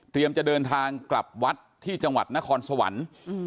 จะเดินทางกลับวัดที่จังหวัดนครสวรรค์